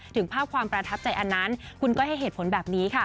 ถึงภาพความประทับใจอันนั้นคุณก้อยให้เหตุผลแบบนี้ค่ะ